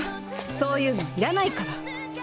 そういうの要らないから。